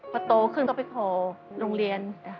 พอโตขึ้นก็ไปขอโรงเรียน